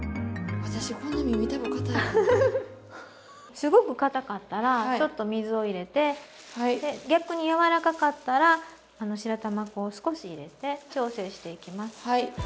すごくかたかったらちょっと水を入れて逆に柔らかかったら白玉粉を少し入れて調整していきます。